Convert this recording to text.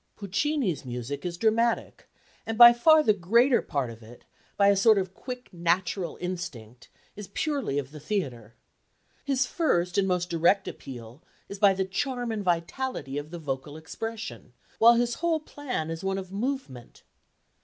Puccini's music is dramatic, and by far the greater part of it, by a sort of quick natural instinct, is purely of the theatre. His first and most direct appeal is by the charm and vitality of the vocal expression, while his whole plan is one of movement.